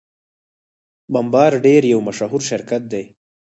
بمبارډیر یو مشهور شرکت دی.